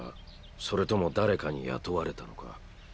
それとも誰かに雇われたのか？